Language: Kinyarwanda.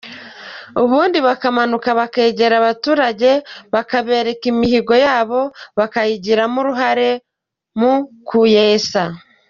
Ubundi bakamanuka bakegera abaturage bakabereka imihigo yabo bakayigiramo uruhare mu kuyesa.